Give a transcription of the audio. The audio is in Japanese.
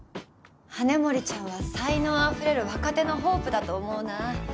羽森ちゃんは才能あふれる若手のホープだと思うな